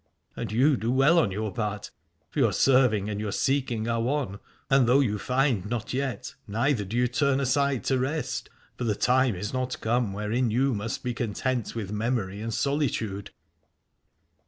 And you do well on your part, for your serving and your seeking are one, and though you find not yet neither do you turn aside to rest : for the time is not come wherein you must be content with memory and solitude.